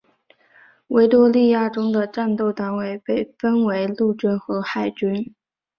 维多利亚中的战斗单位被分为陆军和海军。